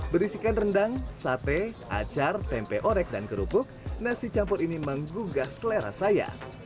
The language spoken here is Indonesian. berisikan rendang sate acar tempe orek dan kerupuk nasi campur ini menggugah selera saya